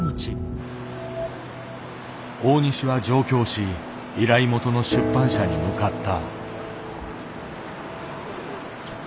大西は上京し依頼元の出版社に向かった。